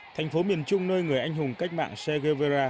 thành phố miền trung nơi người anh hùng cách mạng che guevara